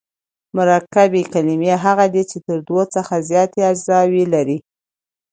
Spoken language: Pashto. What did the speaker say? مرکبي کلیمې هغه دي، چي د دوو څخه زیاتي اجزاوي لري.